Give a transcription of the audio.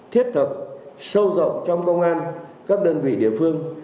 tiếp tục sâu rộng trong công an các đơn vị địa phương